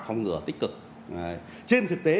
phòng ngừa tích cực trên thực tế